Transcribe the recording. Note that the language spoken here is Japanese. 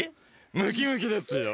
ムキムキですよ。